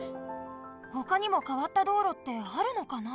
ほかにもかわった道路ってあるのかな？